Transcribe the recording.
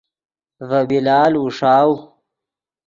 ڤے بلال اوݰاؤ